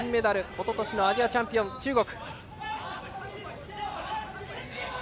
おととしのアジアチャンピオン中国。